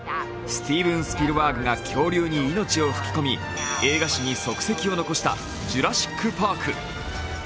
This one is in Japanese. スティーヴン・スピルバーグが恐竜に命を吹き込み映画史に足跡を残した「ジュラシック・パーク」。